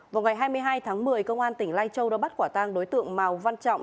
vào ngày hai mươi hai tháng một mươi công an tỉnh lai châu đã bắt quả tang đối tượng màu văn trọng